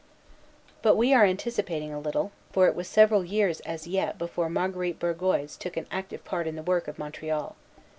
But we are anticipating a little; for it was several years as yet before Marguerite Bourgeoys took an active part in the work of Montreal.